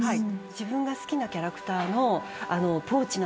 自分が好きなキャラクターのポーチなので。